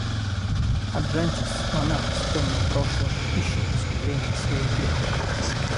Аджантис, монах с тёмным прошлым, ищет искупления своих грехов.